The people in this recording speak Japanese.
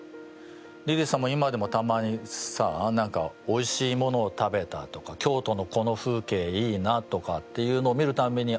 リリーさんも今でもたまにさ何かおいしいものを食べたとか京都のこの風景いいなあとかっていうのを見るたんびに